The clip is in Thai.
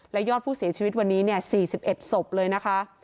และยอดผู้เสียชีวิตวันนี้๔๑ศพเลยนะคะ